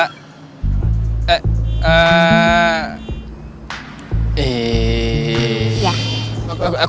tapi saya juga ikutan silat ya nak